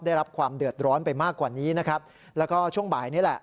ได้รับความเดือดร้อนไปมากกว่านี้นะครับแล้วก็ช่วงบ่ายนี้แหละ